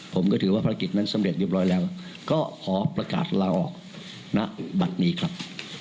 ผมก็ถือว่าภารกิจนั้นสำเร็จเรียบร้อยแล้วก็ขอประกาศลาออกณบัตรนี้ครับ